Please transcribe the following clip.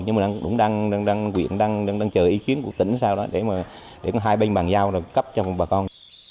nhưng mà đúng đang quyền đang chờ ý kiến của tỉnh sau đó để mà hai bên bàn giao cấp cho bà con